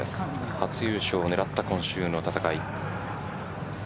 初優勝を狙った今週の戦い。